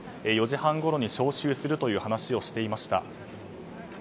４時半ごろに招集するという話をしていました。